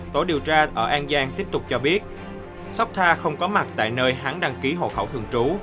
tổ điều tra ở an giang tiếp tục cho biết sóc tha không có mặt tại nơi hắn đăng ký hộ khẩu thường trú